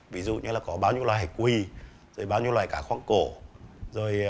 ví dụ như có bao nhiêu loại hải quỷ bao nhiêu loại cá khoảng cổ